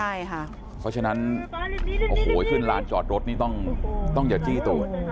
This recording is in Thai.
ใช่ค่ะเพราะฉะนั้นโอ้โหขึ้นลานจอดรถนี่ต้องอย่าจี้ตูด